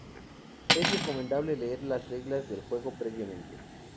Es recomendable leer las reglas del juego previamente.